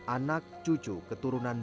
anak cucu keturunan